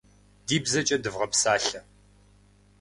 Ди бзэкӏэ дывгъэпсалъэ!